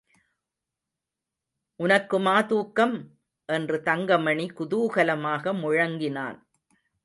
உனக்குமா தூக்கம்? என்று தங்கமணி குதூகலமாக முழங்கினான்.